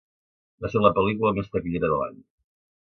Va ser la pel·lícula més taquillera de l'any.